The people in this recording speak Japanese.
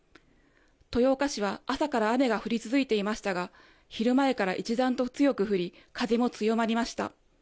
豊岡市は朝から雨が降り続いていましたが、昼前から一段と強く降り、風も強まりました。